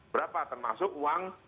berapa termasuk uang